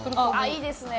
いいですね。